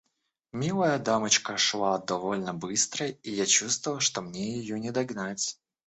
Милая дамочка шла довольно быстро, и я чувствовал, что мне ее не догнать.